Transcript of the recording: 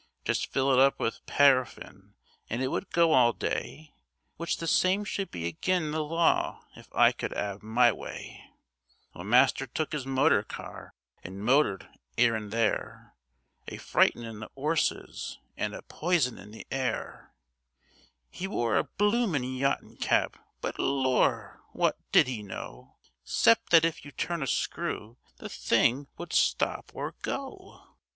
Just fill it up with paraffin an' it would go all day, Which the same should be agin the law if I could 'ave my way. Well, master took 'is motor car, an' moted 'ere an' there, A frightenin' the 'orses an' a poisonin' the air. 'E wore a bloomin' yachtin' cap, but Lor'! wot did 'e know, Excep' that if you turn a screw the thing would stop or go?